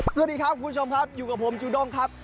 สวัสดีครับคุณผู้ชมครับอยู่กับผมจูด้งครับ